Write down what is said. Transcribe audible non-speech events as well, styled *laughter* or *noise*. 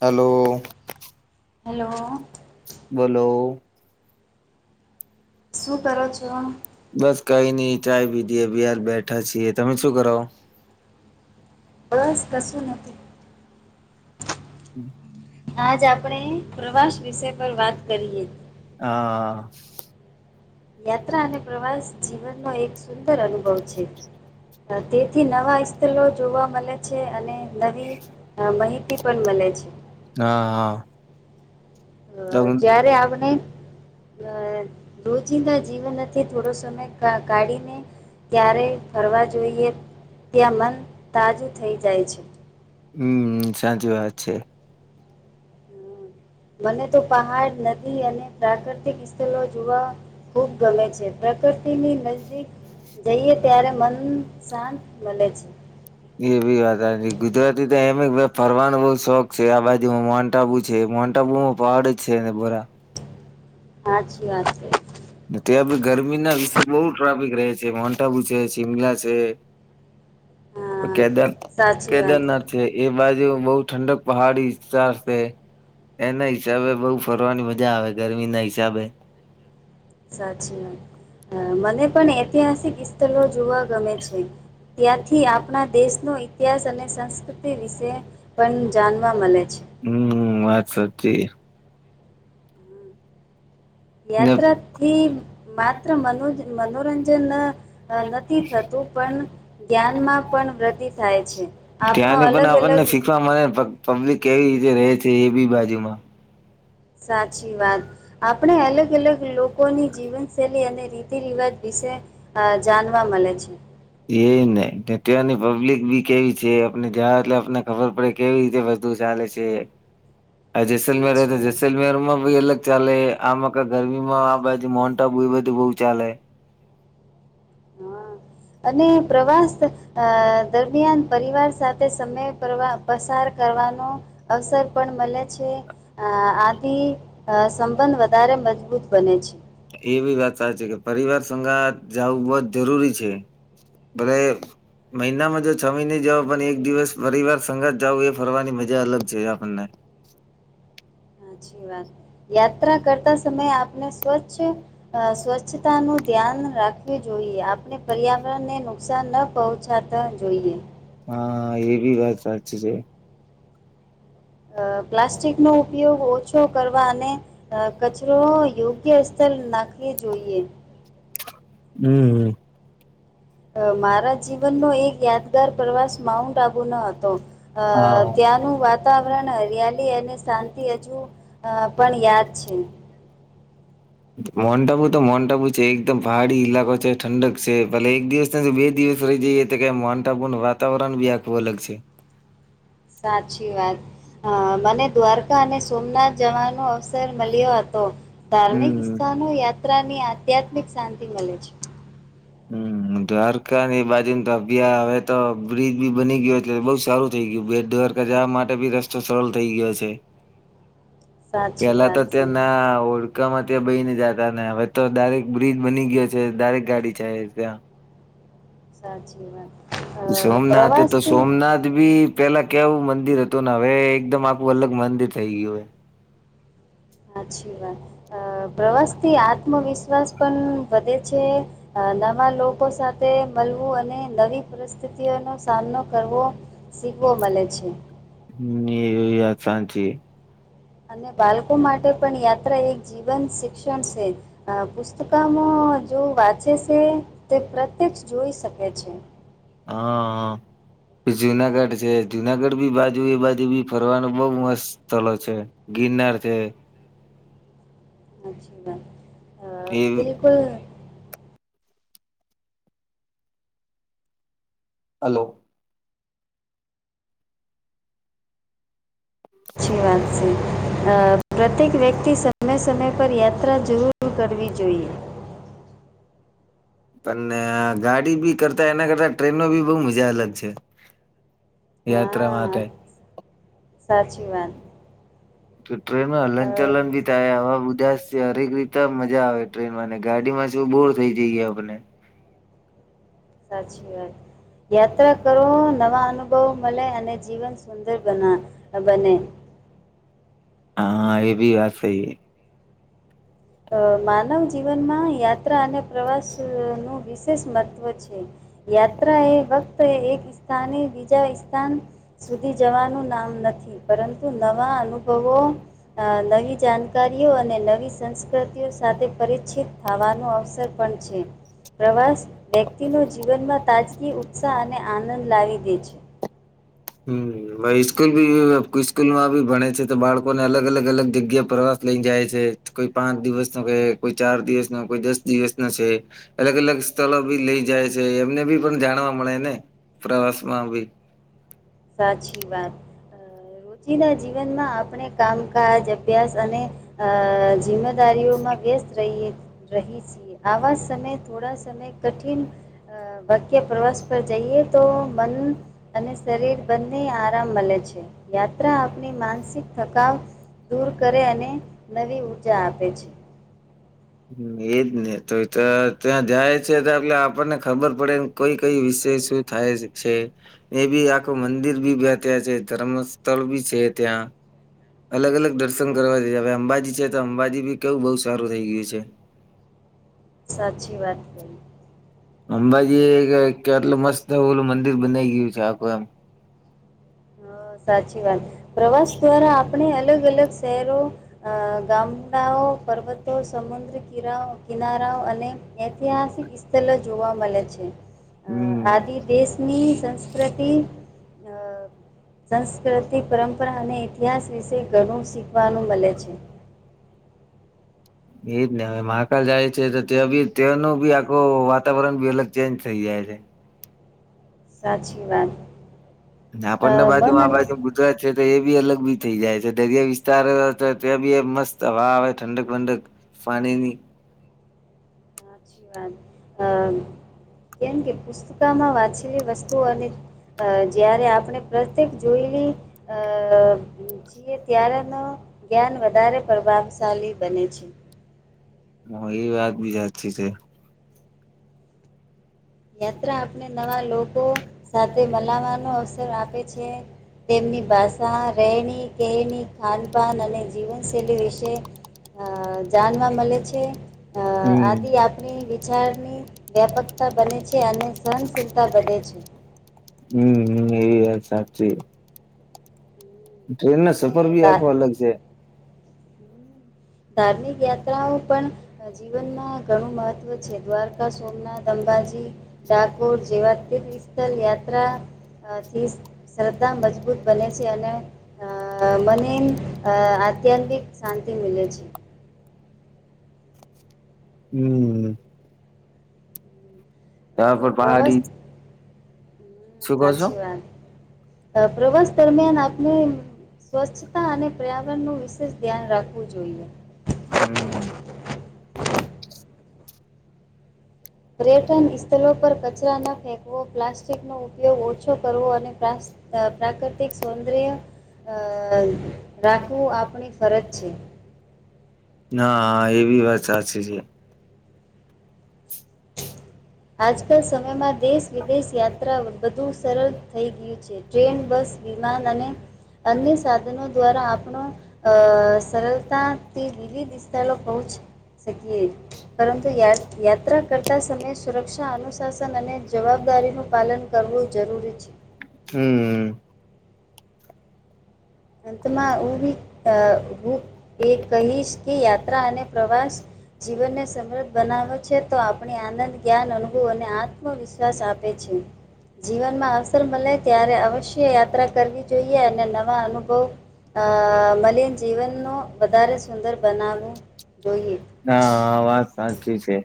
Hello. Hello બોલો શું કર છો બસ કઈ નઈ ચાય પીધી બહાર બેઠા છીએ તમે શું કરાવો બસ કશું નથી હમ આજ આપણે પ્રવાસ વિષય પર વાત કરીએ હા યાત્રા અને પ્રવાસ જીવનનો એક સુંદર અનુભવ છે તેથી નવા સ્થલો જોવા મળે છે અને નવી માહિતી પણ મળે છે હા હા હ તમ જયારે આવને અ રોજિંદા જીવનથી થોડો સમય કાઢીને ક્યારે ફરવા જોઈએ ત્યાં મન તાજું થઈ જાય છે હમ સાચી વાત છે મને તો પહાડ નદી અને પ્રાકૃતિક સ્થળ જોવા ખુબ ગમે છે પ્રકૃતિની નજદીક જઈએ ત્યારે મન શાંત મલે છે. એ બી વાત હાચી ગુજરાતી તો એમ ફરવાનો બઉ શોખ છે આ બાજુમાં મોન્ટ આબુ છે મોન્ટ આબુમાં પાડ છેેને બરા હાચી વાત છે ત્યાં બી ગરમી ના વિશે બહુ ટ્રાફિક રહે છે મોન્ટ આબુ છે શિમલા છે હા કેદાર સાચી વાત કેદારનાથ એ બાજુ બહુ ઠંડક પહાડી વિસ્તાર છે. એના હિસાબે બઉુ ફરવાની મજા આવે ગરમી ના હિસાબે. સાચી વાત મને પણ ઐતિહાસિક સ્થલો જોવા ગમે છે. ત્યાંથી આપણા દેશનો ઇતિહાસ અને સંસ્કૃતિ વિશે પણ જાણવા મલે છે. હમ વાત સાચી ને યાત્રા થી માત્ર મનો મનોરંજન નથી થતું પણ જ્ઞાનમાં પણ વૃદ્ધિ થાય છે આપણો ત્યાંને પણ અલગ અલગ *unintelligible* પબ્લિક કેવી રીતે રહે છે એ બી બાજુમાં સાચી વાત આપણે અલગ અલગ લોકોની જીવનશૈલી અને રિતિ રિવાજ વિશે જાણવા મલે છે. એજને ત્યાંની પબ્લિક બી કેવી છે આપને જ્યા એટલે આપને ખબર પડે કેવી રીતે બધું ચાલે છે આ જેસલમેર તો સાચી વાત જેસલમેર માં ભી અલગ ચાલે આમાં ગરમી માં આ બાજુ મોન્ટ આબુ એ બધું બઉુ ચાલે હા *unintelligible* અને પ્રવાસ અ દરમિયાન પરિવાર સાથે સમય કરવાનો પસાર કરવાનો અવસર પણ મલે છે. અ આથી સંબંધ વધારે મજબૂત બને છે. એ બી વાત સાચી કે પરિવાર સંગાત જાવું બહોત જ જરૂરી છે ભલે મહિનામાં જો છ મહિ ને જાવ પણ એક દિવસ પરિવાર સગાત જાવું એ ફરવાની મજા અલગ છે આપણને સાચી વાત યાત્રા કરતા સમયે આપને સ્વચ્છ સ્વચ્છ તા નું ધ્યાન રાખવું જોઈએ આપણે પર્યાવરણને નુકસાન ન પહોંચાતા જોઈએ. હા એ બી વાત સાચી છે. અ પ્લાસ્ટિકનો ઉપયોગ ઓ છો કરવા અને કચરો યોગ્ય સ્તર નાખવી જોઈએ. હમ્મ હમ્મ મારા જીવનનો એક યાદગાર પ્રવાસ માઉન્ટ આબુનો હતો. અ હા. ત્યાંનું વા તાવરણ હરિયાલી અને શાંતિ હજુ પણ યાદ છે. મોન્ટ આબુ તો મોન્ટ આબુ છે એકદમ પહાડી ઈલાકો છે ઠંડક છે ભલે એક દિવસ બે દિવસ રહી જઈએ તો કે મોનટાપુ વાતાવરણ બી આખું અલગ છે. સાચી વાત મને દ્વારકા અને સોમનાથ જવાનો અવસર મળ્યો હતો ધાર્મિક હમ. સ્થાનો યાત્રાની આધ્યાત્મિક શાંતિ મળે છે. હમ્મ દ્વારકા ની એ બાજુ ને તો્ ગીયા હવે તો બ્રિજ બી બની ગયો છે બઉુ સારું થઇ ગયું બેટ દ્વારકા જાવા માટે બી રસ્તો સરળ થઈ ગયો છે. સાચી પેલા તો વાત છે. તયા ના ઓળ કામાં ત્યાં બઈ ને જતા ને હવે તો દારેક બ્રિજ બની ગયો છે દારેક ગાડી છે ત્યાં સાચી વાત અ સોમનાથ તો પ્રવાસથી સોમનાથ ભી પેલા કેવું મંદિર હતું ને હવે એકદમ આખું અલગ મંદિર થઈ ગયું હે. સાછી વાત પ્રવાસથી આત્મવિશ્વાસ પણ વધે છે. અ નવા લોકો સાથે મળવું અને નવી પરિસ્થિતિઓનોો સામનો કરવો શીખવો મલે છે. હમ્મ એવી વાત સાચી અને બાળકો માટે પણ યાત્રા એક જીવંત શિક્ષણ છે. અ પુસ્તકમાં જો વાંચે છે તે પ્રત્યક્ષ જોઈ શકે છે. હા જુનાગઢ છે જુનાગઢ બી બાજુ એ બાજુ બી ફરવાનું બઉ મસ્ત સ્થળ છે. ગિનર છે. અચછી વાત એ બિલકુલ હલો સી વાત છે પ્રત્યેક વ્યક્તિ સમય સમય પર યાત્રા જરૂર દૂર કરવી જોઈએ. પણ ગાડી બી કરતા એના કરતા ટ્રેનો બી બહુ મજા અલગ છે. યાત્રા હા માટે સાચી વાત તો ટ્રેન અ, હલન ચલન બી હવા બધા છે હરેક રીત મજા આવે ટ્રેનમાંને ગાડીમાં શું બોર થઈ જઈ, ગયા આપને સાી વાત યાત્રા કરો નવા અનુભ બહુ મળે અને જીવન સુંદર બના બને હા એ ભી વાત સહી માનવ જીવનમાં યાત્રા અને પ્રવાસનું વિશેષ મહત્ત્વ છે. યાત્રા હૈ વક્ત હ એક સ્થાન હ બીજા સ્થાન સુધી જવાનું નામ નથી પરંતુ નવા અનુભવો અ નવી જાણકારીઓ અને નવી સંસ્ તિ સાથે પરિચિત થવાનો અવસર પણ છે પ્રવાસ વ્યક્તિનો જીવનમાં તાજગી ઉત્સાહ અને આનંદ લાવી દે છે. હમ્મ ઈસ્કૂલ બી ઈસ્કૂલ માં બી ભણે છે તો બાળકો ને અલગ અલગ અલગ જગ્યા પ્રવાસ લઈને જાય છે કોઈ પાંચ દિવસ નો કે કોઈ ચાર દિવસ નો કોઈ દસ દિવસ નો છે. અલગ અલગ સ્થળો બી લઈ જાય છે, એમને બી પણ જાણવા મળે ને પ્રવાસ માં બી સાચી વાત રોજીિના જીવનમાં આપણે કામકાજ અભ્યાસ અને અ જિમ્મેદારીઓમાં વ્યસ્ત રહી રહી છે. આવા સમય થોડા સમય કઠિન વાક્ય પ્રવાસ પર જઈએ તો મન અને શરીર. બંને આરામ મળે છે યાત્રા આપણી માનસિક થકાવ દૂર કરે અને નવી ઉઊર્જા આપે છે. એજ ને તો એ તો ત્યાં જાય છે તો એટલે આપણને ખબર પડેને કોઈ કઈ વિષય શ થાય શી છે. એ બી આખું મંદિર બી બે ત્યા છે ધર્મ સ્થળ બી છે ત્યાં અલગ અલગ દર્શન હા, કરવા દઈ હવે અંબાજી છે તો અંબાજી બી કેવું બહુ સારું થઇ ગયું છે. જે સાચી વાત અંબાજી એક કેટલું મસ્ત ઓલું મંદિર બનાઈ ગયું છે આખું એમ હ સાચી વાત પ્રવાસ દ્વારા આપણે અલગ અલગ શહેરો અ ગામડાઓ પર્વતો સમુદ્ર કિરાઓ કિનારાઓ અને ઐતિહાસિક સ્થલો જોવા મળે છે. હમ આદિ દેશની સંસ્કૃતિ અ સંસ્કૃતિ પરંપરા અને ઇતિહાસ વિશે ઘણું શીખવાનું મળે છે. એજ નેવે મહાકાલ જાય છે તો તયાં બી તેંનું બી આખું વાતાવરણ બી અલગ ચેન્જ થઈ જાય છે. સાચી વાત. અ, આપણ ને બાજુ મન આ અને બાજુ ગુજરાત છે તો એ બી અલગ બી થઈ જાય છે દરિયા વિસ્તાર ત્યાં બી એ મસ્ત હવા આવે ઠંડક ઠંડક. ફાણીની વા કેમ કે પુસ્તકામાં વાંચેલી વસ્તુઓ અને અ જયારે આપણે પ્રત્યેક જોયેલી અ જે ત્યારનું જ્ઞાન વધારે પ્રભાવશાળી બને છે. હો એ વાત બી હાચી છે. યાત્રા આપને નવા લોકો સાથે મલાવાનો અવસર આપે છે. તેમની ભાષા રહેણી કહેણી ખાનપાન અને જીવનશૈલી વિશે. અ જાણવા મળે છે. અ હમ આથી આપણી વિચારની વ્યાપકતા બને છે અને સહનશીલતા વધે છે. હમ્મ એ વાત સાચી. ટ્રેન ના અને સફર ભી ધા આખો હમ. અલગ છે. ધાર્મિક યાત્રાઓ પણ જીવનમાં ઘણું મહત્ત્વ છે દ્વારકા, સોમનાથ, અંબાજી ડાકોર જેવા તીર્થસ્થલ યાત્રાથી. શ્રદ્ધા મજબૂત બને છે અને અ મને અ આધ્યાત્મિક શાંતિ મિલે છે. હમ્મ. અ જાય પણ પ્રવાસ પહાડી હમ, શું કહો છો સાચી વાત પ્રવાસ દરમિયાન આપણે સ્વચ્છતા અને પર્યાવરણનું વિશેષ ધ્યાન રાખવું જોઈએ. હમ્મ. પર્યટન સ્થળો પર કચરા ન ફેંકવો પ્લાસ્ટ પ્લાસ્ટિકનો ઉપયોગ ઓછો કરવો અને પ્રાસ પ્રાકૃતિક સૌંદર્ય અ રાખવું આપણી ફરજ છે. ના એવી વાત સાચી છે. આજકાલ સમયમાં દેશ વિદેશ યાત્રા વધુ સરળ થઈ ગયું છે. ટ્રેન બસ વિમાન અને અન્ય સાધનો દ્વારા આપણો અ સરળતાથી લીલી વિસ્તારો પહોંચ. શકીયે પરંતુ યા યાત્રા આવતા સમયે સુરક્ષા અનુશાસન અને જવાબદારીનું પાલન કરવું જરૂરી છે. હમ્મ. અંતમાં હું બી અ હું એ કહીશ કે યાત્રા અને પ્રવાસ જીવનને સમૃદ્ધ બનાવો છે તો આપણે આનંદ. જ્ઞાન અનુભવ અને આત્મવિશ્વાસ આપે છે. જીવનમાં અવસર મળે ત્યારે અવશ્ય યાત્રા કરવી જોઈએ અને નવા અનુ તો અ મલીન જીવનનું વધારે સુંદર બનાવવું જોઈએ. હા હા વાત સાચી છે.